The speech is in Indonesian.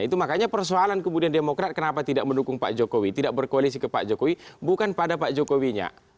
itu makanya persoalan kemudian demokrat kenapa tidak mendukung pak jokowi tidak berkoalisi ke pak jokowi bukan pada pak jokowinya